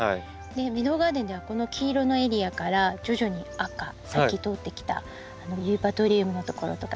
メドウガーデンではこの黄色のエリアから徐々に赤さっき通ってきたユーパトリウムの所とかですね